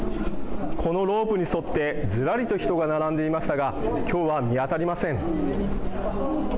このロープに沿ってずらりと人が並んでいましたがきょうは見当たりません。